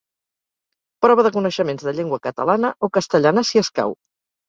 Prova de coneixements de llengua catalana o castellana, si escau.